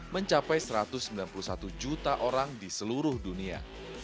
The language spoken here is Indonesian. mencapai satu ratus sembilan puluh satu juta orang di seluruh dunia